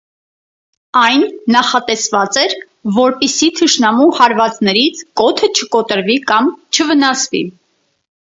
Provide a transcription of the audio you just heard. Այն նախատեսված էր որպեսզի թշնամու հարվածներից կոթը չկոտրվի կամ չվնասվի։